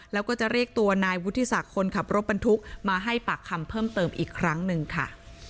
แล้วก็จะเรียกตัวนายวุฒิศักดิ์คนขับรถบรรทุกมาให้ปากคำเพิ่มเติมอีกครั้งหนึ่งค่ะ